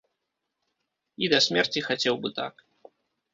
І да смерці хацеў бы так.